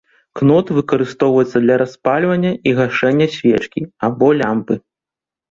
Кнот выкарыстоўваецца для распальвання і гашэння свечкі або лямпы.